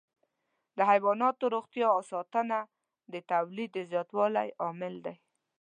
د حيواناتو روغتیا ساتنه د تولید د زیاتوالي عامل ده.